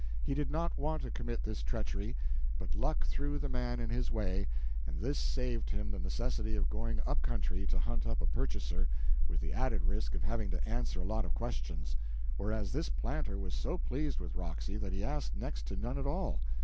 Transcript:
He did not want to commit this treachery, but luck threw the man in his way, and this saved him the necessity of going up country to hunt up a purchaser, with the added risk of having to answer a lot of questions, whereas this planter was so pleased with Roxy that he asked next to none at all.